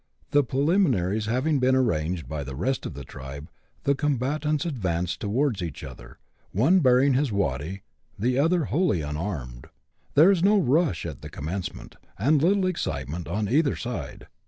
The pre liminaries having been arranged by the rest of the tribe, the combatants advance towards each other, one bearing his " waddy," the other wholly unarmed. There is no rush at the commence ment, and little excitement on either side.